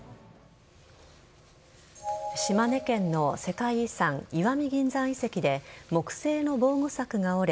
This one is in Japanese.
島根県の世界遺産石見銀山遺跡で木製の防護柵が折れ